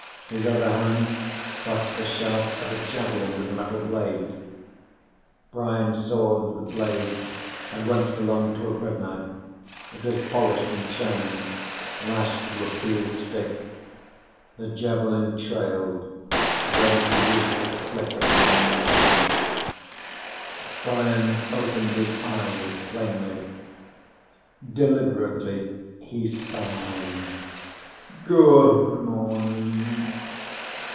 His other hand clutched the shaft of a javelin with a metal blade. Brian saw that the blade had once belonged to a bread knife; it was polished and shining, lashed to a peeled stick. The javelin trailed, ready for use at a flick of the young man's arm. Brian opened his eyes plainly. Deliberately, he sighed. "Good morning."